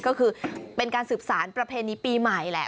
ก็คือเป็นการสืบสารประเพณีปีใหม่แหละ